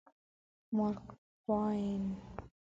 مارک ټواین